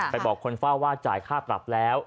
บอกคนเฝ้าว่าจ่ายค่าปรับแล้ว